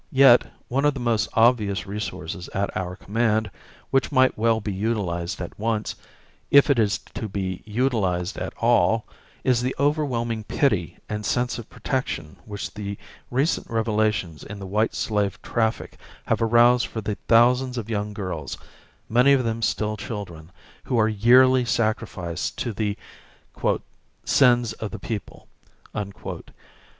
Yet one of the most obvious resources at our command, which might well be utilized at once, if it is to be utilized at all, is the overwhelming pity and sense of protection which the recent revelations in the white slave traffic have aroused for the thousands of young girls, many of them still children, who are yearly sacrificed to the "sins of the people."